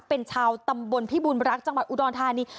เป็นชาวตำบลพิบูรณรักจังหวัดอุดรธานี